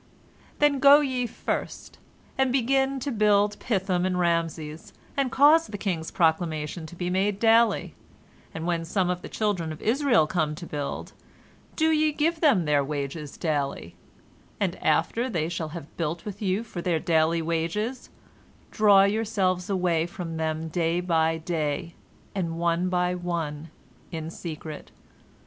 "Then go ye first, and begin to build Pithom and Raamses, and cause the king's proclamation to be made daily, and when some of the children of Israel come to build, do ye give them their wages daily, and after they shall have built with you for their daily wages, draw yourselves away from them day by day, and one by one, in secret.